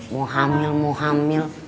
mau hamil mau hamil